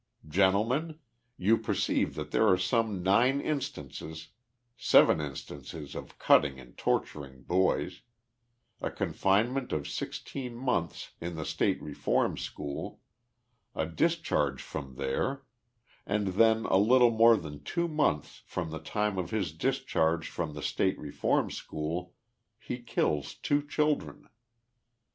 Gentlemen : you perceive that there are some nine instances, seven instances of cutting and torturing boys ; a confinement of sixteen months in the State Reform School ; a discharge from there ; and then a little more than two months from the time of his discharge from the State Reform School he kills two children.